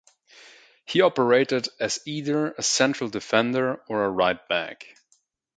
He operated as either a central defender or a right back.